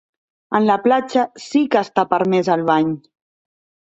En la platja sí que està permès el bany.